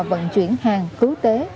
vận chuyển hàng cứu tế